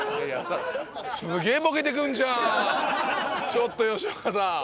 ちょっと吉岡さん。